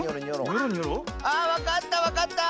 あわかったわかった！